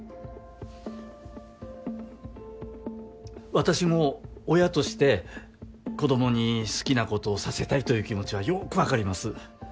私も親として子供に好きなことをさせたいという気持ちはよーく分かります。